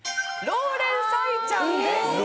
ローレン・サイちゃんです。